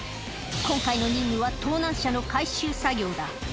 今回の任務は盗難車の回収作業だ。